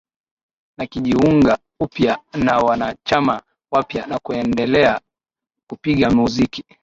Na kujiunga upya na wanachama wapya na kundelea kupiga muziki